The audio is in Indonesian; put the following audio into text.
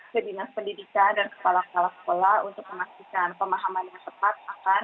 ke dinas pendidikan dan kepala kepala sekolah untuk memastikan pemahaman yang tepat akan